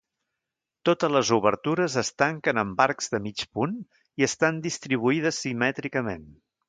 Totes les obertures es tanquen amb arcs de mig punt i estan distribuïdes simètricament.